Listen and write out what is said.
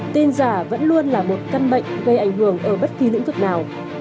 tin giả vẫn luôn là một căn bệnh gây ảnh hưởng ở bất kỳ lĩnh vực nào